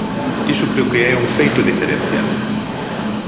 Iso creo que é un feito diferencial.